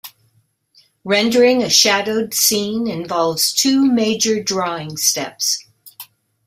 Rendering a shadowed scene involves two major drawing steps.